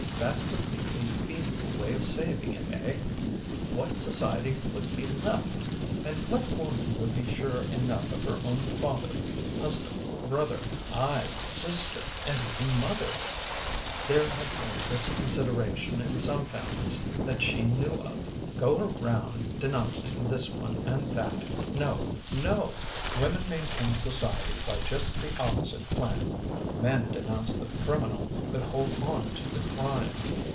That would be a feasible way of saving it, eh ? What society would be left ? And what woman would be sure enough of her own father, husband, brother aye, sister and even mother ?" There had been this consideration in some families that she knew of !" Go around denouncing this one and that ! No ! No ! Women maintain Society by just the opposite plan. Men denounce the criminal but hold on to the crime.